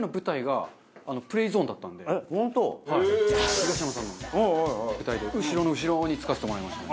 東山さんの舞台で後ろの後ろに付かせてもらいましたね。